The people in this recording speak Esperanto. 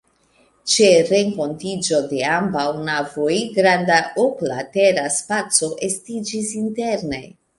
Ĉe renkontiĝo de ambaŭ navoj granda oklatera spaco estiĝis interne.